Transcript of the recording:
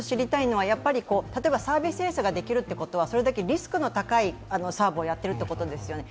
例えばサービスエースができるということは、それだけリスクの高いサーブをやっているということですよね。